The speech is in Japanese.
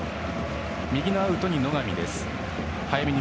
右のアウトに野上。